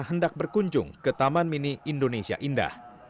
hendak berkunjung ke taman mini indonesia indah